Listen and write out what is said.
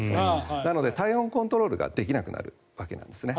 なので体温コントロールができなくなるわけなんですね。